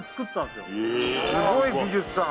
すごい美術さん